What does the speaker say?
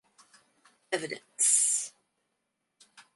Evidence.